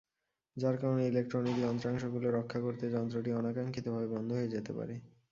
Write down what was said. যার কারণে ইলেকট্রনিক যন্ত্রাংশগুলো রক্ষা করতে যন্ত্রটি অনাকাঙ্ক্ষিতভাবে বন্ধ হয়ে যেতে পারে।